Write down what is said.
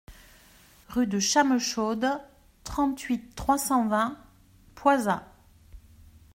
Rue de Chamechaude, trente-huit, trois cent vingt Poisat